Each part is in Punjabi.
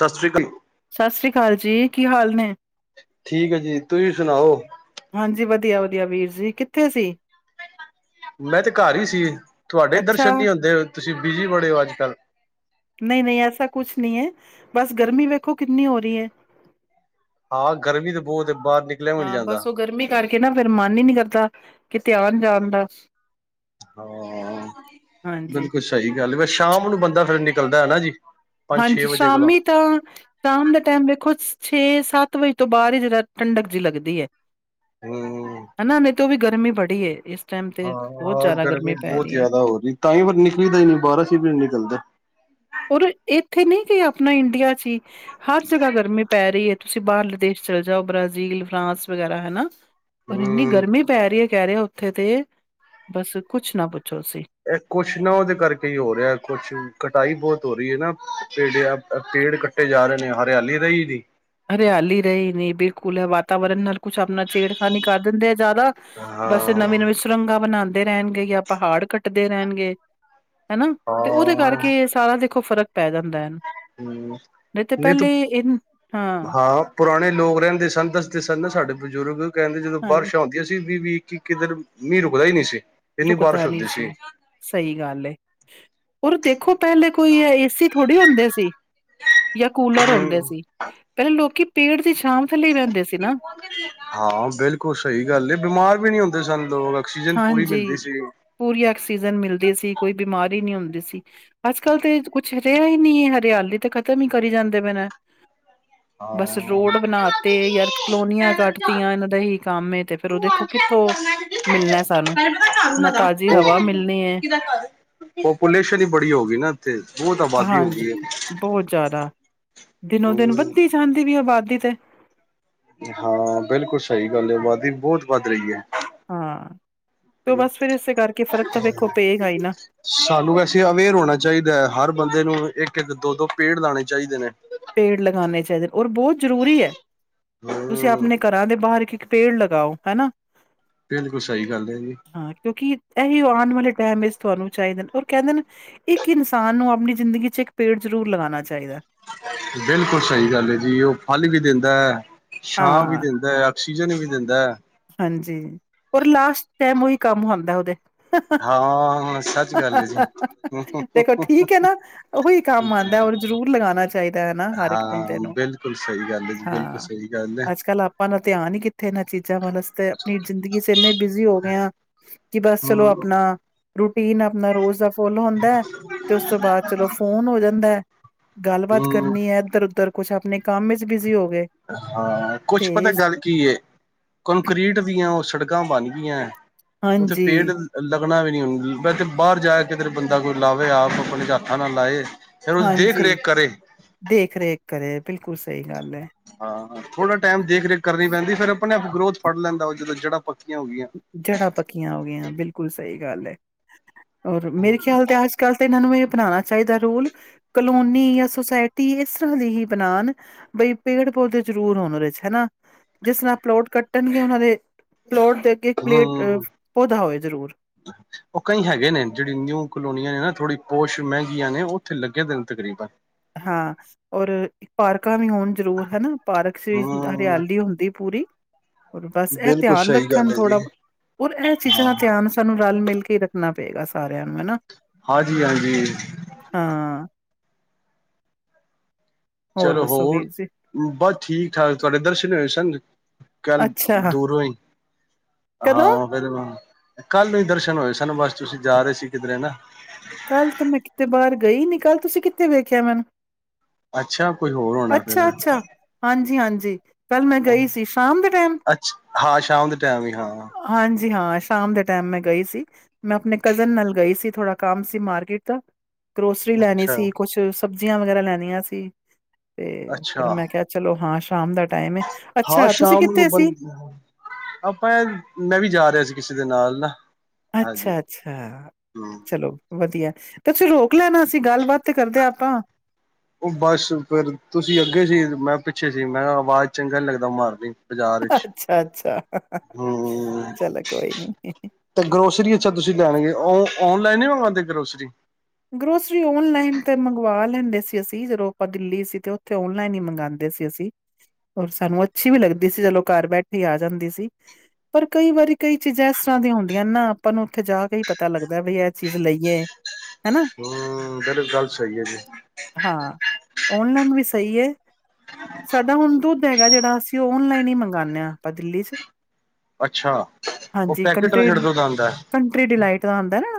ਸਤਿ ਸ਼੍ਰੀ ਅਕਾਲ। ਸਤਿ ਸ੍ਰੀ ਅਕਾਲ ਜੀ, ਕੀ ਹਾਲ ਨੇ‌? ਠੀਕ ਐ ਜੀ, ਤੁਸੀਂ ਸੁਣਾਓ‌? ਹਾਂਜੀ ਵਧੀਆ-ਵਧੀਆ ਵੀਰ ਜੀ, ਕਿੱਥੇ ਸੀ? ਮੈਂ ਤੇ ਘਰ ਈ ਸੀ, ਤੁਹਾਡੇ ਅੱਛਾ, ਦਰਸ਼ਨ ਨੀ ਹੁੰਦੇ ਤੁਸੀਂ ਬਿਜੀ ਬੜੇ ਓ ਅੱਜ-ਕੱਲ। ਨ‌ਈ-ਨ‌ਈ ਐਸਾ ਕੁਛ ਨੀ ਐ, ਬਸ ਗਰਮੀ ਵੇਖੋ ਕਿੰਨੀ ਹੋ ਰੀ ਐ। ਹਾਂ ਗਰਮੀ ਤੇ ਬਹੁਤ ਐ ਬਾਰ ਨਿਕਲਿਆ ਵੀ ਨੀ ਜਾਂਦਾ। ਗਰਮੀਂ ਕਰ ਕੇ ਫਿਰ ਮਨ ਹੀ ਨੀ ਕਰਦਾ ਕਿਤੇ ਆਣ-ਜਾਣ ਦਾ। ਹਾਂ, ਬਿਲਕੁਲ ਹਾਂਜੀ-ਹਾਂਜੀ ਸਹੀ ਗੱਲ ਏ ਫਿਰ ਸ਼ਾਮ ਨੂੰ ਬੰਦਾ ਫਿਰ ਨਿਕਲਦਾ ਹੈ ਨਾ ਜੀ। ਪੰਜ ਛੇ ਹਾਂਜੀ ਵਜੇ ਕੋਲੋਂ ਸ਼ਾਮੀ ਤਾਂ ਸ਼ਾਮ ਦੇ ਟਾਈਮ ਵੇਖੋ ਛੇ-ਸੱਤ ਵਜੇ ਤੋਂ ਬਾਦ ਹੀ ਜਰਾ ਠੰਡਕ ਜਿਹੀ ਲੱਗਦੀ ਹੈ। ਹਮ ਹਨਾ ਨਹੀਂ ਤੋਂ ਵੀ ਗਰਮੀ ਬੜੀ ਹੈ ਇਸ ਟਾਈਮ ਤੇ ਬਹੁਤ ਹਾਂ-ਹਾਂ, ਜ਼ਿਆਦਾ ਗਰਮੀ ਪੈ ਬਹੁਤ ਰਹੀ ਹੈ। ਜ਼ਿਆਦਾ ਹੋ ਰੀ ਤਾਂਹੀ ਫਿਰ ਨਿਕਲੀਦਾ ਹੀ ਨਹੀ ਅਸੀਂ ਬਾਰ ਵੀ ਨੀ ਨਿਕਲਦੇ। ਔਰ ਇੱਥੇ ਨੀ ਕਿ ਆਪਣਾ ਇੰਡੀਆ ਚ ਹੀ ਹਰ ਜਗ੍ਹਾ ਗਰਮੀ ਪੈ ਰੀ ਹੈ ਤੁਸੀਂ ਬਾਹਰਲੇ ਦੇਸ਼ ਚਲੇ ਜਾਓ ਬ੍ਰਾਜ਼ੀਲ, ਫਰਾਂਸ ਵਗੈਰਾ ਹਨਾ। ਔਰ ਇੰਨੀ ਹਮ ਗਰਮੀ ਪੈ ਰਹੀ ਹੈ ਕਹਿ ਰਿਹੇ ਉੱਥੇ ਤੇ ਬਸ ਕੁੱਛ ਨਾ ਪੁੱਛੋ ਤੁਸੀਂ। ਏ ਕੁਛ ਨਾ ਉਦੇ ਕਰਕੇ ਹੀ ਹੋ ਰਿਹਾ ਕੁਛ ਕਟਾਈ ਬਹੁਤ ਹੋ ਰਹੀ ਹੈ ਨਾ ਪੇੜੇ ਪੇੜ ਕੱਟ ਟੇ ਜਾ ਰਹੇ ਨੇ ਹਰਿਆਲੀ ਰਹੀ ਨੀ। ਹਰਿਆਲੀ ਰਈ ਨੀ ਬਿਲਕੁਲ, ਏ ਵਾਤਾਵਰਨ ਨਾਲ ਕੁਛ ਆਪਣਾ ਛੇੜ ਖਾਨੀ ਕਰ ਦਿੰਦੇ ਆ ਜ਼ਿਆਦਾ ਬਸ ਹਾਂ ਨਵੀਂ-ਨਵੀਂ ਸੁਰੰਗਾ ਬਣਾਦੇ ਰਹਿਣਗੇ ਜਾਂ ਪਹਾੜ ਕੱਟਦੇ ਰਹਿਣਗੇ ਹਨਾ ਤੇ ਉਹਦੇ ਹਾਂ ਕਰਕੇ ਕਿ ਸਾਰਾ ਦੇਖੋ ਫ਼ਰਕ ਪੈ ਜਾਂਦਾ ਹੈ ਹੂੰ ਨੀ ਤਾਂ ਪਹਿਲੇ ਇਹ ਕੀ ਹਾਂ, ਪੁਰਾਣੇ ਲੋਕ ਰਹਿੰਦੇ ਸਨ ਦੱਸਦੇ ਸਨ ਨਾ ਸਾਡੇ ਬਜ਼ੁਰਗ ਕਹਿੰਦੇ ਜਦੋਂ ਹਾਂ ਬਾਰਿਸ਼ ਆਉਂ ਏਸੀ ਵੀ-ਵੀ, ਇੱਕੀ-ਇਕੀ ਦਿਨ ਮੀਂਹ ਰੁਕਦਾ ਹੀ ਨਹੀਂ ਸੀ ਇੰਨੀ ਬਾਰਿਸ਼ ਰੁਕਦਾ ਨਹੀਂ ਹੁੰਦੀ ਸੀ। ਸਹੀ ਗੱਲ ਏ, ਔਰ ਦੇਖੋ ਪਹਿਲੇ ਕੋਈ ਏਸੀ ਥੋੜ੍ਹੀ ਹੁੰਦੇ ਸੀ। ਜਾਂ ਕੂਲਰ ਹੁੰਦੇ ਹੂੰ ਸੀ। ਪਹਿਲਾਂ ਲੋਕੀ ਪੇੜ ਦੀ ਛਾਂ ਥੱਲੇ ਹੀ ਬੈਂਦੇ ਸੀ ਨਾ। ਹਾਂ, ਬਿਲਕੁਲ ਸਹੀ ਗੱਲ ਏ ਬਿਮਾਰ ਵੀ ਨੀ ਹੁੰਦੇ ਸਨ ਲੋਗ। ਹਾਂਜੀ, ਪੂਰੀ ਆਕਸੀਜਨ ਮਿਲਦੀ ਸੀ ਕੋਈ ਬਿਮਾਰੀ ਨੀ ਹੁੰਦੀ ਸੀ। ਅੱਜ-ਕੱਲ੍ਹ ਤੇ ਕੁਛ ਰਿਹਾ ਹੀ ਨੀ, ਹਰਿਆਲੀ ਤਾਂ ਖਤਮ ਹੀ ਕਰੀ ਜਾਂਦੇ ਪਿਏ ਨੇ। ਬਸ ਹਾਂ। ਰੋਡ ਬਣਾ ਤੇ ਯਾ ਕਲੋਨੀਆਂ ਕੱਟਤੀਆਂ ਇਹਨਾਂ ਦਾ ਹੀ ਕੰਮ ਏ ਤੇ ਫੇਰ ਹ ਦੇਖੋ ਕਿੱਥੋਂ ਮਿਲਣਾ ਸਾਨੂੰ ਨਾ ਤਾਜ਼ੀ ਹਵਾ ਮਿਲਣੀ ਹੈ ਉ ਪਪੂਲੇਸ਼ਨ ਹੀ ਬੜੀ ਹੋ ਗਈ ਨਾ। ਤੇ ਬਹੁਤ ਆਬਾਦੀ ਹੋ ਗਈ ਏ। ਦਿਨੋ-ਦਿਨ ਵੱਧਦੀ ਜਾਂਦੀ ਪਈ ਏ ਆਬਾਦੀ ਤੇ। ਹਾਂ, ਬਿਲਕੁਲ ਸਹੀ ਗੱਲ ਏ ਅਬਾਦੀ ਬਹੁਤ ਵੱਧ ਰਹੀ ਏ। ਹਾ, ਉ ਬਸ ਫਿਰ ਇਸੇ ਕਰਕੇ ਫਰਕ ਤਾਂ ਵੇਖੋ ਪਏਗਾ ਹੀ ਨਾ। ਸਾਨੂੰ ਵੈਸੇ ਅਵੇਅਰ ਹੋਣਾ ਚਾਹੀਦਾ ਹੈ ਹਰ ਬੰਦੇ ਨੂੰ ਇੱਕ-ਇੱਕ, ਦੋ-ਦੋ ਪੇੜ ਲਾਣੇ ਚਾਹੀਦੇ ਨੇ। ਪੇੜ ਲਗਾਣੇ ਚਾਹੀਦੇ ਔਰ ਬਹੁਤ ਜ਼ਰੂਰੀ ਏ। [inaudible] ਤੁਸੀਂ ਆਪਣੇ ਘਰਾਂ ਦੇ ਬਾਹਰ ਇੱਕ-ਇਟ ਪੇੜ ਲਗਾਓ ਹਨਾ। ਏ ਬਿਲਕੁਲ ਸਹੀ ਗੱਲ ਹੈ ਜੀ। ਹਾਂ, ਕਿਉਂਕਿ ਇਹੀ ਆਣ ਵਾਲੇ ਟਾਈਮ ਵਿੱਚ ਤੁਹਾਨੂੰ ਚਾਹੀਦੇ ਹੋਰ ਕਹਿੰਦੇ ਨੇ ਇੱਕ ਇਨਸਾਨ ਨੂੰ ਆਪਣੀ ਜ਼ਿੰਦਗੀ 'ਚ ਇੱਕ ਪੇੜ ਜ਼ਰੂਰ ਲਗਾਣਾ ਚਾਹੀਦਾ। ਬਿਲਕੁਲ ਸਹੀ ਗੱਲ ਆ ਜੀ ਉਹ ਫਲ ਵੀ ਦਿੰਦਾ, ਛਾਂ ਵੀ ਹਾਂ, ਦਿੰਦਾ। ਆਕਸ਼ੀਜ਼ਨ ਵੀ ਦੇਦਾ। ਹਾਂਜੀ, ਔਰ ਲਾਸਟ ਟੈਮ ਉਹੀ ਕੰਮ ਆਂਦਾ ਓਦੇ। ਹਾਂ, ਸੱਚ ਗੱਲ ਏ ਜੀ। ਦੇਖੋ ਠੀਕ ਹੈ [unintelligible] ਨਾ ਉਹੀ ਕੰਮ ਆਉਂਦਾ ਔਰ ਜ਼ਰੂਰ ਲਗਾਉਣਾ ਚਾਹੀਦਾ ਹੈ ਨਾ ਹਰ ਇੱਕ ਹਾਂ ਬੰਦੇ ਬਿਲਕੁਲ। ਨੂੰ ਬਿਲਕੁਲ ਸਹੀ ਗਲ ਏ ਜੀ ਬਿਲਕੁਲ ਹਾਂ। ਸਹੀ ਗਲ ਏ। ਅੱਜ-ਕੱਲ੍ਹ ਆਪਾਂ ਨੂੰ ਧਿਆਨ ਹੀ ਕਿੱਥੇ ਇਨਾਂ ਚੀਜ਼ਾਂ ਵੱਲ ਅਸੀਂ ਤੇ ਆਪਣੀ ਜ਼ਿੰਦਗੀ 'ਚ ਇੰਨੇ ਬਿਜ਼ੀ ਹੋ ਗਏ ਆ। ਕਿ ਬਸ ਚਲੋ ਹੂੰ। ਆਪਣਾ ਰੂਟੀਨ ਅਪਨਾ ਰੋਜ਼ ਦਾ ਫੋਲ ਹੁੰਦਾ, ਤੇ ਉਸ ਤੋਂ ਬਾਅਦ ਚਲੋ ਫੋਨ ਹੋ ਜਾਂਦਾ ਐ। ਗੱਲਬਾਤ ਹੂੰ ਕਰਨੀ ਐ, ਇੱਧਰ-ਉਧਰ ਕੁਛ ਅਪਨੇ ਕੰਮ ਵਿੱਚ ਬਿਜ਼ੀ ਹੋਗੇ। ਹਾਂ, ਕੁਛ ਪਤਾ ਗੱਲ ਕੀ ਏ, ਕੰਕਰੀਟ ਦੀਆਂ ਉਹ ਸੜਕਾਂ ਬਣ ਗਈਆਂ। ਉੱਥੇ ਹਾਂਜੀ ਪੇੜ ਲੱਗਣਾ ਵੀ ਨੀ, ਹੁਣ ਮੈਂ ਤੇ ਬਾਹਰ ਜਾ ਕਿਧਰੇ ਬੰਦਾ ਕੋਈ ਲਾਵੇ, ਆਪ-ਆਪਣੇ ਹੱਥਾਂ ਨਾਲ ਲਾਏ। ਫੇਰ ਉਹਦੀ ਦੇਖ ਹਾਂਜੀ, ਰੇਖ ਕਰੇ ਦੇਖ-ਰੇਖ ਕਰੇ ਬਿਲਕੁਲ ਸਹੀ ਗੱਲ ਐ। ਹਾਂ, ਥੋੜਾ ਟਾਈਮ ਦੇਖ-ਰੇਖ ਕਰਨੀ ਪੈਂਦੀ ਫਿਰ ਅਪਨੇ-ਆਪ ਗਰੋਥ ਫੜ ਲੈਂਦਾ ਉਹ ਜਦੋਂ ਜੜਾਂ ਪੱਕੀਆਂ ਹੋਗੀਆਂ। ਜੜਾਂ ਪੱਕੀਆਂ ਹੋਗੀਆਂ ਬਿਲਕੁਲ ਸਹੀ ਗੱਲ ਐ, ਹੋਰ ਮੇਰੇ ਖਿਆਲ ਤੇ ਅੱਜ-ਕੱਲ ਤੇ ਇਹਨਾਂ ਨੂੰ ਇਹ ਅਪਣਾਨਾ ਚਾਹੀਦਾ ਰੂਲ ਕਲੋਨੀ ਯਾ ਸੋਸਾਇਟੀ ਇਸ ਲਈ ਬਣਾਨ ਬਈ ਪੇੜ-ਪੌਦੇ ਜ਼ਰੂਰ ਹੋਣ ਉਹਦੇ 'ਚ ਹਨਾ। ਜਿਸ ਨਾਂ ਪਲੋਟ ਕੱਟਣਗੇ ਉਹਨਾਂ ਦੇ ਪਲੋਟ ਦੇ ਅੱਗੇ, ਪਲੇਟ ਹੂੰ ਪੌਧਾ ਹੋਏ ਜ਼ਰੂਰ। [inaudible] ਉਹ ਕਈਂ ਹੈਗੇ ਨੇ, ਜਿਹੜੀ ਨਿਊ ਕਲੋਨੀਆਂ ਨੇ ਨਾ ਥੋੜ੍ਹੀ ਪੋਸ਼ ਮਹਿੰਗੀਆਂ ਨੇ ਉੱਥੇ ਲੱਗੇਦੇ ਨ ਤਕਰੀਬਨ। ਹਾਂ, ਔਰ ਇੱਕ ਪਾਰਕਾਂ ਵੀ ਹੋਣ ਜ਼ਰੂਰ ਹਨਾ, ਪਾਰਕਸੀਸ ਹੂੰ ਹਰਿਆਲੀ ਹੁੰਦੀ ਪੂਰੀ, ਹੋਰ ਬਸ ਐ ਬਿਲਕੁਲ ਧਿਆਨ ਸਹੀ ਗੱਲ ਰੱਖਣ ਹੈ ਜੀ ਥੋੜਾ ਔਰ ਇਹ ਚੀਜ਼ਾਂ ਦਾ ਹਾਂ, ਧਿਆਨ ਸਾਨੂੰ ਰਲ-ਮਿਲਕੇ ਰੱਖਣਾ ਪਏਗਾ ਸਾਰਿਆਂ ਨੂੰ ਹਨਾ। ਹਾਂਜੀ-ਹਾਂਜੀ। ਹਾਂ। ਚਲੋ ਦੱਸੋ ਹੋਰ, ਵੀਰ ਜੀ ਬਸ ਠੀਕ-ਠਾਕ, ਤੁਹਾਡੇ ਦਰਸ਼ਨ ਹੋਏ ਸਨ। ਕੱਲ, ਅੱਛਾ ਦੂਰੋਂ ਈ, ਕਦੋਂ ਹਾਂ। ਕੱਲ ਨੂੰ, ਕੱਲ ਨੂੰ ਈ ਦਰਸ਼ਨ ਹੋਏ ਸਨ ਬਸ ਤੁਸੀਂ ਜਾ ਰਹੇ ਸੀ ਕਿਧਰੇ ਨਾ। ਕੱਲ ਤਾਂ ਮੈਂ ਕਿਤੇ ਬਾਹਰ ਗਈ ਨੀ, ਕੱਲ ਤੁਸੀਂ ਕਿੱਥੇ ਵੇਖਿਆ ਮੇਂਨ ਅੱਛਾ, ਕੋਈ ਹੋਰ ਹੋਣਾ ਫਿਰ। ਹਾਂਜੀ-ਹਾਂਜੀ। ਅੱਛਾ, ਹਾਂ ਸ਼ਾਮ ਦੇ ਟਾਈਮ ਈ, ਹਾਂ। ਹਾਂਜੀ-ਹਾਂ, ਸ਼ਾਮ ਦੇ ਟਾਈਮ ਮੈਂ ਗਈ ਸੀ। ਮੈਂ ਆਪਣੇ ਕਜ਼ਨ ਨਾਲ ਗਈ ਸੀ ਥੋੜਾ ਕੰਮ ਸੀ, ਮਾਰਕੀਟ ਦਾ। ਗ੍ਰੋਸਰੀ ਲੈਣੀ ਅੱਛਾ ਸੀ, ਕੂਸ਼ ਸਬਜ਼ੀਆਂ ਵਗੈਰਾ ਲੈਣੀਆਂ ਸੀ, ਤੇ ਫਿਰ ਅੱਛਾ ਮੈਂ ਕਿਹਾ ਚਲੋ ਹਾਂ, ਸ਼ਾਮ ਦਾ ਟਾਈਮ ਏ ਹਾਂ ਅੱਛਾ ਤੁਸੀਂ ਸ਼ਾਮ ਕਿੱਥੇ ਸੀ? [unintelligible] ਆਪਾਂ, ਮੈਂ ਵੀ ਜਾ ਰਿਹਾ ਸੀ ਕਿਸੇ ਦੇ ਨਾਲ ਨਾ। ਹਾਂਜੀ ਅੱਛਾ-ਅੱਛਾ, ਹੂੰ ਚਲੋ। ਵਧੀਆ, ਤੁਸੀ ਰੋਕ ਲੈਣਾ ਸੀ, ਗੱਲਬਾਤ ਤੇ ਕਰਦੇ ਆਪਾਂ। ਉਹ ਬਸ ਫਿਰ, ਤੁਸੀਂ ਅੱਗੇ ਸੀ ਮੈਂ ਪਿੱਛੇ ਸੀ ਮੈਂ ਕਿਹਾ ਅਵਾਜ਼ ਚੰਗਾ ਨੀ ਲੱਗਦਾ ਮਾਰਨੀ। ਬਾਜ਼ਾਰ ਵਿੱਚ ਅੱਛਾ-ਅੱਛਾ ਹੂੰ ਚਲੋ, ਕੋਈ ਨੀ। ਤੇ ਗ੍ਰੋਸਰੀ ਅੱਛਾ ਤੁਸੀਂ ਲੈਣ ਗਏ, ਉਹ ਔਨਲਾਈਨ ਨੀ ਮੰਗਾਂਦੇ ਗ੍ਰੋਸਰੀ। ਗ੍ਰੋਸਰੀ ਓਨਲਾਈਨ ਤੇ ਮੰਗਵਾ ਲੈਂਦੇ ਸੀ ਅਸੀਂ, ਜਦੋਂ ਆਪਾਂ ਦਿੱਲੀ ਸੀ ਤੇ ਉੱਥੇ ਓਨਲਾਈਨ ਹੀ ਮੰਗਾ ਸੀ ਅਸੀ, ਓਰ ਸਾਨੂੰ ਅੱਛੀ ਵੀ ਲੱਗਦੀ ਸੀ, ਚਲੋ ਘਰ ਬੈਠੇ ਈ ਆ ਜਾਂਦੀ ਸੀ। ਪਰ ਕਈ ਵਾਰੀ ਕਈ ਚੀਜ਼ਾਂ ਇਸ ਤਰ੍ਹਾਂ ਦੀਆਂ ਹੁੰਦੀਆਂ ਨੇ ਨਾ, ਆਪਾਂ ਨੂੰ ਉੱਥੇ ਜਾਕੇ ਈ ਪਤਾ ਲੱਗਦਾ ਵੀ ਐ ਚੀਜ਼ ਲਈਏ। ਹੈਨਾ। ਹੂੰ, ਫਿਰ ਗੱਲ ਸਹੀ ਐ ਜੀ। ਹਾਂ, ਔਨਲਾਈਨ ਵੀ ਸਹੀ ਏ। ਸਾਡਾ ਹੁਣ ਦੁੱਧ ਹੈਗਾ ਜਿਹੜਾ, ਅਸੀਂ ਉਹ ਓਨਲਾਈਨ ਹੀ ਮੰਗਾਨੇ ਆ ਆਪਾਂ ਦਿੱਲੀ'ਚ। ਅੱਛਾ ਉ ਪੈਕੇਟ ਨੇ ਜੇੜੇ ਕੰਟਰੀ ਦੁੱਧ ਆਂਦੈ। ਕੰਟਰੀ ਡਿਲਾਈਟ ਦਾ ਆਂਦੈ ਨਾ।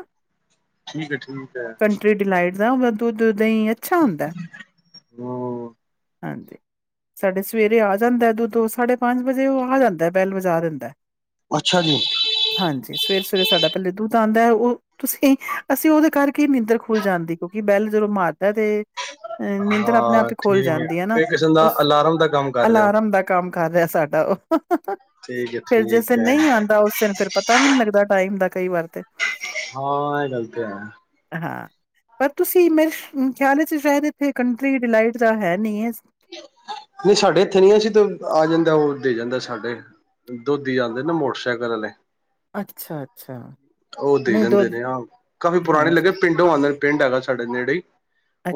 ਠੀਕ ਏ ਠੀਕ। ਹੈ ਕੰਟਰੀ ਡਿਲਾਈਟ ਦਾ ਵ ਦੁੱਧ ਦਈ ਅੱਛਾ ਹੁੰਦੈ। ਹੂੰ ਹਾਂਜੀ। ਸਾਡੇ ਸਵੇਰੇ ਆ ਜਾਂਦਾ ਦੁੱਧ ਸਾਢੇ ਪੰਜ ਵਜੇ ਉ ਆ ਜਾਂਦਾ ਬੈਲ ਵਜਾ ਦਿੰਦੈ। ਅੱਛਾ ਜੀ। ਹਾਂਜੀ ਸਵੇਰੇ-ਸਵੇਰੇ ਸਾਡਾ ਪੈਲੇ ਦੁੱਧ ਆਂਦਾ, ਉ ਤੁਸੀਂ ਅਸੀਂ ਉਦੇ ਕਰਕੇ ਈ ਨਿੰਦਰ ਖੁੱਲ ਜਾਂਦੀ, ਕਿਉਂਕਿ ਵੈੱਲ ਜਦੋਂ ਮਾਰਦਾ ਤੇ ਅ ਨੀਂਦਰ ਅਪਨੇ ਆਪ ਹਾਂ ਈ ਖੋਲ ਠੀਕ ਹੈ ਜਾਂਦੀ ਏ ਨਾ, ਇਹ ਕਿਸਮ ਦਾ ਉਸ ਅਲਾਰਮ ਦਾ ਕੰਮ ਕਰ ਰਿਹਾ ਅਲਾਰਮ ਦਾ ਕੰਮ ਕਰ ਰਿਆ ਸਾਡਾ ੳ, ਠੀਕ ਹੈ ਫੇਰ ਜਿਸ ਠੀਕ ਦਿਨ ਹੈ ਨਈ ਆਂਦਾ ਉਸ ਦਿਨ ਫਿਰ ਪਤਾ ਪਤਾ ਵੀ ਨਈ ਲੱਗਦਾ ਟਾਈਮ ਦਾ ਕਈ ਵਾਰ ਤੇ ਹਾਂ ਐ ਗੱਲ ਤੇ ਹੈ। ਹਾਂ ਪਰ ਤੁਸੀਂ ਮੇਰੇ ਖਿਆਲ ਚ ਸ਼ਾਇਦ ਇੱਥੇ ਕੰਟਰੀ ਡਿਲਾਈਟ ਦਾ ਹੈ ਨਈ ਏ ਨਈ ਸਾਡੇ ਇੱਥੇ ਨਈ ਅਸੀ ਤੇ, ਆ ਜਾਂਦਾ ਉ ਦੇ ਜਾਂਦਾ ਸਾਡੇ ਦੋਧੀ ਆਂਦੇ ਨਾ ਮੋਟਰਸਾਈਕਲ ਵਾਲੇ। ਅੱਛਾ-ਅੱਛਾ। ਉ ਦੇ ਨਹੀਂ ਦੋ ਜਾਂਦੇ ਨੇ ਹਾਂ, ਕਾਫੀ ਪੁਰਾਣੇ ਹਾਂਜੀ, ਲੱਗੇ ਪਿੰਡ ਪਿੰਡ ਹੈਗਾ ਸਾਡੇ ਨੇੜੇ ਈ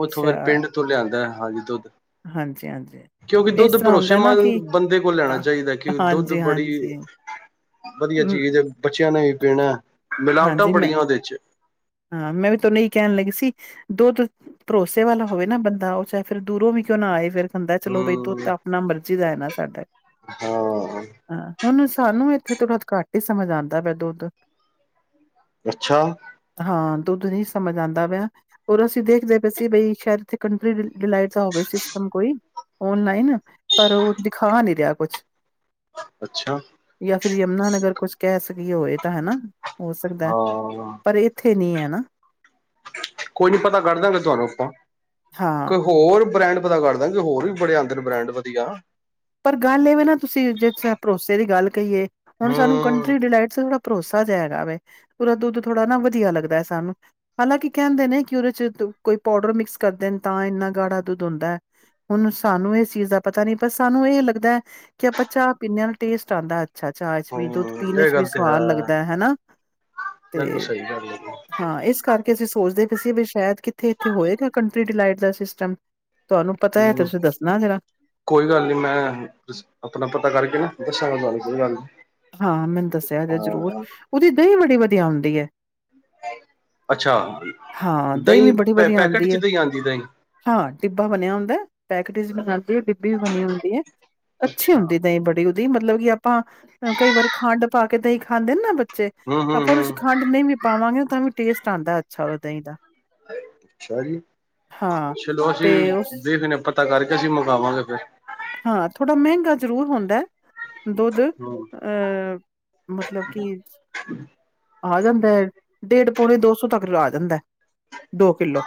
ਉੱਥੋਂ ਫੇਰ ਪਿੰਡ ਤੋਂ ਲਿਆਂਦੈ, ਹਾਂਜੀ ਦੁੱਧ। ਹਾਂਜੀ, ਹਾਂਜੀ ਕਿਉਂਕਿ ਇਸ ਦੁੱਧ ਤਰ੍ਹਾਂ ਹੁੰਦਾ ਨਾ ਭਰੋਸੇਮੰਦ ਕਿ ਬੰਦੇ ਕੋਲ ਲੈਣਾ ਚਾਹੀਦਾ ਕਿ ਦੁੱਧ ਹਾਂਜੀ ਬੜੀ -ਹਾਂਜੀ। ਵਧੀਆ ਮ ਚੀਜ਼ ਦੇ ਬੱਚਿਆਂ ਨੇ ਵੀ ਪੀਣਾ, ਮਿਲਾਵਟਾਂ ਹਾਂਜੀ ਮੈਂ ਬੜੀਆਂ ਉਦੇ ਚ ਹਾਂ ਮੈਂ ਵੀ ਤੁਹਾਨੂੰ ਏ ਕੈਨ ਲੱਗੀ ਸੀ ਦੁੱਧ ਭਰੋਸੇ ਵਾਲਾ ਹੋਵੇ ਨਾ ਬੰਦਾ ਉ ਚਾਹੇ ਫੇਰ ਦੂਰੋਂ ਵੀ ਕਿਉਂ ਨਾ ਆਏ ਫਿਰ- ਹੂੰਦੈ ਚਲੋ ਬਈ ਦੁੱਧ ਹੂੰ ਤਾਂ ਆਪਣਾ ਮਰਜੀ ਦਾ ਏ ਨਾ ਸਾਡੇ। ਹਾਂ। ਹਾਂ ਹੁਨ ਸਾਨੂੰ ਇੱਥੇ ਥੋੜਾ ਘੱਟ ਈ ਸਮਝ ਆਂਦਾ ਪਿਆ ਦੁੱਧ। ਅੱਛਾ। ਹਾਂ ਦੁੱਧ ਨੀ ਸਮਝ ਆਂਦਾ ਪਿਆ। ਔਰ ਅਸੀਂ ਦੇਖਦੇ ਪਏ ਸੀ ਬਈ ਸ਼ਾਇਦ ਇਥੇ ਕੰਟਰੀ ਡਿਲਾਈਟ ਦਾ ਹੋਵੇ ਸਿਸਟਮ ਕੋਈ, ਓਨਲਾਈਨ ਪਰ ਉ ਦਿਖਾ ਨੀ ਰਿਆ ਕੁਛ ਅੱਛਾ। ਯਾ ਫਿਰ ਯਮੁਨਾ ਨਗਰ ਕੁਛ ਕੈ ਸਕੀਏ ਹੋਏ ਤਾਂ ਹਨਾ ਹੋ ਸਕਦੈ ਹਾਂ। ਪਰ ਏ-' ਇੱਥੇ ਨੀ ਏ ਨਾ। ਕੋਈ ਨੀ ਪਤਾ ਕਰ ਦਾਂਗੇ ਤੁਹਾਨੂੰ ਆਪਾਂ। ਹਾਂ। ਕੋਈ ਹੋਰ ਬ੍ਰੈਂਡ ਪਤਾ ਕਰਦਾਗੇ ਹੋਰ ਵੀ ਬੜੇ ਆਂਦੇ ਨੇ ਬ੍ਰੈਂਡ ਵਧੀਆ। ਪਰ ਗੱਲ ਏ ਵੇਂ ਨਾ ਤੁਸੀਂ ਜੇ ਭਰੋਸੇ ਦੀ ਗੱਲ ਕਈਏ ਹੁਨ ਸਾਨੂੰ ਹੂੰ, ਕੰਟਰੀ ਡਿਲਾਈਟ ਥੋੜ੍ਹਾ ਭਰੋਸਾ ਜਿਹਾ ਹੈਗਾ ਵੇ ਉਦਾ ਦੁੱਧ ਥੋੜਾ ਨਾ ਵਧੀਆ ਲੱਗਦਾ ਏ ਸਾਨੂੰ। ਹਾਲਾਂਕਿ ਕੈਂਦੇ ਨੇ ਕਿ ਉਦੇ ਚ ਕੋਈ ਪੋਡਰ ਮਿਕਸ ਕਰਦੇ ਨੇ ਤਾਂ ਇੰਨਾ ਗਾੜਾ ਦੁੱਧ ਹੁੰਦੈ। ਹੁਨ ਸਾਨੂੰ ਇਸ ਚੀਜ਼ ਦਾ ਪਤਾ ਨੀ ਪਰ ਸਾਨੂੰ ਏ ਲੱਗਦੈ, ਕਿ ਆਪਾਂ ਚਾ ਪੀਂਦੇ ਆਂ ਟੇਸਟ ਆਂਦੈ। ਅੱਛਾ ਚਾ ਚ ਵੀ ਦੁੱਧ ਹੂੰ ਪੀਨ ਇਹ ਚ ਵੀ ਗੱਲ ਤੇ ਹੈ, ਸਵਾਦ ਲੱਗਦੈ, ਹਨਾ ਬਿਲਕੁਲ ਤੇ ਸਹੀ ਗੱਲ ਹੈਗੀ। ਹਾਂ ਇਸ ਕਰਕੇ ਅਸੀਂ ਸੋਚਦੇ ਪਏ ਸੀ ਵੀ ਸ਼ਾਇਦ ਕਿੱਥੇ ਇੱਥੇ ਹੋਏਗਾ ਕੰਟਰੀ ਡੀਲਾਈਟ ਦਾ ਸਿਸਟਮ ਤੁਹਾਨੂੰ ਪਤਾ ਏ ਹੂੰ, ਤੁਸੀਂ ਦੱਸਨਾ ਜਰਾ। ਕੋਈ ਗੱਲ ਨੀ ਮੈਂ ਦਸ ਅਪਨਾ ਪਤਾ ਕਰਕੇ ਨਾ ਦੱਸਾਂਗਾ ਤੁਹਾਨੂੰ ਕੋਈ ਗੱਲ ਨੀ। ਹਾਂ ਮੈਨੂੰ ਦੱਸਿਆ ਜੇ ਜ਼ਰੂਰ ਹਾਂ, ਉਦੀ ਦਈ ਬੜੀ ਵਧੀਆ ਆਉਂਦੀ ਏ। ਅੱਛਾ, ਹਾਂ ਦਹੀਂ ਦਈਂ ਵੀ ਬੜੀ ਪੈ ਵਧੀਆ ਪੈਕਟ ਆਉਂਦੀ ਚ ਹੈ ਦਈਂ ਆਂਦੀ ਦਈਂ ਹਾਂ ਟਿੱਬਾ ਬਨੇਆ ਹੁੰਦੈ, ਪੈਕਟ ਚ ਵਖਾਂਦੇ ਨੇ ਵੀ ਬਨੀ ਹੁੰਦੀ ਏ ਅੱਛੀ ਅੱਛਾ, ਹੁੰਦੀ ਦਈਂ ਬੜੀ ਓ ਵੀ ਮਤਲਬ ਕਿ ਆਪਾਂ ਕਈ ਵਾਰ ਖੰਡ ਪਾਕੇ ਦਈ ਖਾਂਦੇ ਨਾ ਬੱ ਤੇ ਆਪਾਂ ਓਦੇ ਚ ਹੂੰ-ਹੂੰ-ਹੂੰ, ਖੰਡ ਨਈਂ ਵੀ ਪਾਵਾਂਗੇ ਓ ਤਾਂ ਵੀ ਟੇਸਟ ਆਂਦਾ ਅੱਛਾ ਓਦਾ ਦਈਂ ਦਾ। ਅੱਛਾ ਜੀ ਹਾਂ ਚਲੋ, ਅਸੀ ਤੇ ਉਸ ਵੀ ਵੇਖਨੇ ਆ ਪਤਾ ਕਰਕੇ ਅਸੀ ਮੰਗਾਵਾਂਗੇ ਫੇਰ ਹਾਂ, ਥੋੜਾ ਮੈਂਗਾ ਜਰੂਰ ਹੁੰਦੈ ਦੁੱਧ ਹੂੰ। ਅ ਮਤਲਬ ਕੀ ਆ ਜਾਂਦੈ ਡੇਢ ਪੌਨੇ ਦੋ ਸੌ ਤੱਕ ਦਾ ਆ ਜਾਂਦੈ, ਦੋ ਕਿੱਲੋ।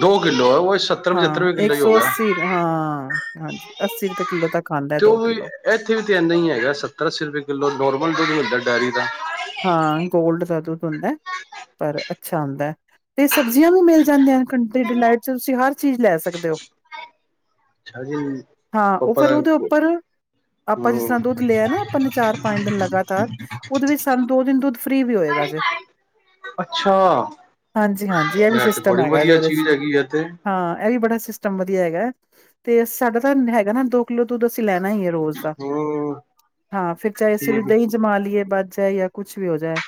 ਦੋ ਕਿੱਲੋ ਹੈ ਉਹ ਹਾਂ, ਰੁਪਏ ਏਕ ਕਿੱਲੋ ਹੀ ਹੋ ਸੌ ਗਿਆ ਅੱਸੀ ਹਾਂ ਹਾਂਜੀ। ਤੀਰਕ ਕਿੱਲੋ ਤੱਕ ਆਂਦੈ ਦੋ ਕਿੱਲੋ। ਏਥੇ ਵੀ ਤਾਂ ਏਨਾ ਈ ਹੈਗਾ, ਸੱਤਰ-ਅੱਸੀਂ ਰਪੇ ਕਿੱਲੋ ਨੋਰਮਲ ਦੁੱਧ ਮਿਲਦਾ ਡੈਰੀ ਦਾ। ਹਾਂ, ਗੋਲਡ ਦਾ ਦੁੱਧ ਹੁੰਦੈ। ਪਰ ਅੱਛਾ ਹੁੰਦੈ ਤੇ ਸਬਜ਼ੀਆਂ ਵੀ ਮਿਲ ਜਾਂਦੀਆਂ ਨੇ ਕੰਨ ਤੇ ਡੀਨਾਈਟ ਚ ਤੁਸੀ ਹਰ ਚੀਜ ਲੈ ਸਕਦੇ ਓ। ਅੱਛਾ ਜੀ ਹਾਂ, ਓ ਪਾਪਾ ਫੇਰ ਦਾ ਓਹਦੇ ਉੱਪਰ ਆਪਾਂ ਜਿਸ ਹਮ ਤਰ੍ਹਾਂ ਦੁੱਧ ਲੇਆ ਨਾ ਆਪਾਂ ਨੇ ਚਾਰ-ਪੰਜ ਦਿਨ ਲਗਾਤਾਰ ਓਦੇ ਵਿੱਚ ਸਾਨੂੰ ਦੋ ਦਿਨ ਤੋਂ ਫਰੀ ਵੀ ਹੋਏਗਾ ਜੇ। ਅੱਛਾ ਹਾਂਜੀ-ਹਾਂਜੀ, ਐ ਵੀ ਇਹ ਤੇ ਸਿਸਟਮ ਬੜੀ ਹੈਗਾ ਜੇ ਵਧੀਆ ਓਰੇ 'ਚ। ਚੀਜ਼ ਹੈਗੀ ਹੈ ਤੇ ਹਾਂ, ਐ ਵੀ ਬੜਾ ਸਿਸਟਮ ਵਧੀਆ ਹੈਗਾ ਤੇ ਸਾਡਾ ਤਾਂ ਹੈਗਾ ਨਾ ਦੋ ਕਿਲੋ ਦੁੱਧ ਅਸੀ ਲੈਣਾ ਈਏ ਰੋਜ ਦਾ ਹਮ ਹਾਂ ਫੇਰ ਚਾਏ ਅਸੀ ਠੀਕ ਦਈਂ ਜਮਾਂ ਲਈਏ ਵੱਧ ਚਾਏ ਆ ਕੁੱਛ ਵੀ ਹੋ ਜਾਏ।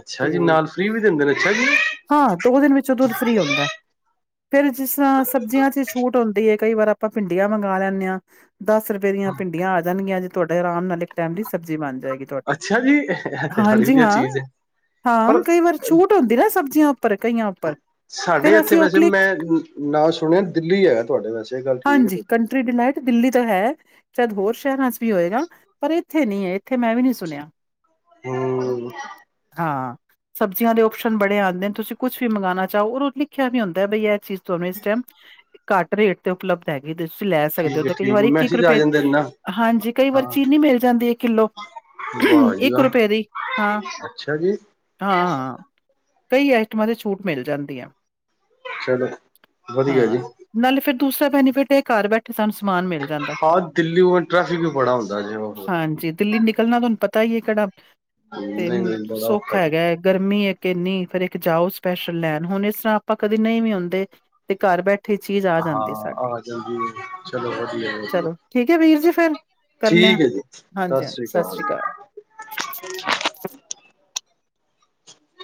ਅੱਛਾ ਜੀ, ਤੇ ਨਾਲ ਫ੍ਰੀ ਵੀ ਦਿੰਦੇ ਨੇ ਅੱਛਾ ਜੀ। ਹਾਂ, ਦੋ ਦਿਨ ਵਿੱਚੋਂ ਦੁੱਧ ਫ੍ਰੀ ਹੁੰਦੈ। ਫੇਰ ਜਿਸ ਤਰ੍ਹਾਂ ਸਬਜ਼ੀਆਂ ਚ ਛੂਟ ਹੁੰਦੀ ਏ ਕਈ ਵਾਰ ਆਪਾਂ ਭਿੰਡੀਆਂ ਮੰਗ ਲੈਂਨੇ ਆਂ, ਦਸ ਰ ਪਏ ਦੀਆਂ ਭਿੰਡੀਆਂ ਆ ਜਾਣਗੀਆਂ ਅ ਜੇ ਤੁਆਡੇ ਅਰਾਮ ਨਾਲ ਇੱਕ ਟੈਮ ਸਬਜ਼ੀ ਬਣ ਜੇ ਹੈਗੀ ਤੁਆਡੀ। ਅੱਛਾ ਜੀ ਇਹ ਤੇ ਬੜੀ ਹਾਂਜੀ ਵਧੀਆ ਹਾਂ, ਚੀਜ਼ ਹੈ ਹਾਂ ਪਰ ਕਈ ਵਾਰ ਛੂਟ ਹੁੰਦੀ ਨਾ ਸਭ ਈਆਂ ਉੱਪਰ ਕਈਆਂ ਉੱਪਰ ਸਾਡੇ ਫੇਰ ਇੱਥੇ ਅਸੀ ਓ ਵੈਸੇ ਮੈਂ ਕਲਿੱਕ ਨਾਂ ਸੁਨੇਆਂ ਦਿੱਲੀ ਏਗਾ ਤੁਆਡੇ ਵੈਸੇ ਗੱਲ ਠੀਕ ਹੈ ਹਾਂਜੀ ਤੁਹਾਡੀ ਕੰਟਰੀ ਡਿਨਾਈਟ ਦਿੱਲੀ ਤੋਂ ਹੈ ਸ਼ਾਇਦ ਹੋਰ ਸ਼ਹਿਰਾਂ ਚ ਵੀ ਹੋਏਗਾ। ਪਰ ਏਥੇ ਨੀ ਏ, ਏਥੇ ਮੈਂ ਵੀ ਨੀ ਸੁਨੇਆਂ। ਹੂੰ। ਹਾਂ। ਸਬਜ਼ੀਆਂ ਦੇ ਓਪਸ਼ਨ ਬੜੇ ਆਂਦੇ ਨੇ, ਤੁਸੀਂ ਕੁਛ ਵੀ ਮੰਗਨਾਂ ਚਾਓ ਔਰ ਲਿਖਿਆ ਆਂਦਾ ਬਈ ਏ ਚੀਜ਼ ਤੁਆਨੁ ਇਸ ਟਾਈਮ ਘੱਟ ਰੇਟ ਤੇ ਉਪਲੱਬਧ ਹੈਗੀ ਤੇ ਤੁਸੀਂ ਲੈ ਸਕਦੇ ਓ, ਠੀਕ ਹੈ ਤੇ ਕਈ ਠੀਕ ਵਾਰ ਇੱਕ-ਇੱਕ ਮੈਸੇਜ ਆ ਰੁਪਏ ਜਾਂਦੇ ਨੇ ਨਾ ਹਾਂਜੀ, ਕਈ ਵਾਰ ਹਾਂ ਚੀਨੀ ਮਿਲ ਜਾਂਦੀ ਏ। ਕਿਲੋ ਵਾਹ ਜੀ ਇੱਕ ਵਾਹ ਰੁਪਏ ਦੀ, ਹਾਂ। ਅੱਛਾ ਜੀ ਹਾਂ, ਕਈ ਆਈਟਮਾਂ ਤੇ ਛੂਟ ਮਿਲ ਜਾਂਦੀ ਆ। ਚਲੋ, ਵਧੀਆ ਹਾਂ ਏਜੀ। ਨਾਲੇ ਫੇਰ ਦੂਸਰਾ ਬੈਨੀਫਿਟ ਏ, ਘਰ ਬੈ ਠੇ ਸਾਨੂੰ ਸਮਾਨ ਮਿਲ ਜਾਂਦਾ, ਹਾਂ ਦਿੱਲੀ ਮ ਟ੍ਰੈਫਿਕ ਵੀ ਬੜਾ ਹੁੰਦਾ ਜੀ ਉਹ ਹਾਂਜੀ। ਦਿੱਲੀ ਨਿਕਲਣਾ ਤੁਆਨੂੰ ਪਤਾ ਈ ਏ ਕੇੜਾ ਤੇ ਨਹੀਂ ਨਹੀਂ ਬੜਾ ਸੁਖਾ ਔਖਾ ਜੀ ਹੈਗਾਏ। ਗਰਮੀ ਏਕ ਇੰਨੀ ਫੇਰ ਇੱਕ ਜਾਓ ਸਪੈਸ਼ਲ ਲੈਣ ਹੁਣ, ਇਸ ਤਰ੍ਹਾਂ ਆਪਾਂ ਕਦੇ ਨਈਂ ਵੀ ਹੁੰਦੇ ਤੇ ਘਰ ਬੈ ਠੇ ਚੀਜ ਆ ਹਾਂ ਜਾਂਦੀਏ ਸਾਡੀ ਆ ਜਾਂਦੀ ਹੈ, ਚਲੋ ਵਧੀਆ ਵਧੀਆ ਚਲੋ, ਠੀਕ ਏ ਵੀਰ ਜੀ ਫੇਰ। ਕਰਨੇ ਆ, ਠੀਕ ਹੈ ਜੀ ਸਤਿ ਹਾਜੀ-ਹਾਂਜੀ ਸ੍ਰੀ ਸਸਸ਼੍ਰੀ ਅਕਾਲ ਅਕਾਲ।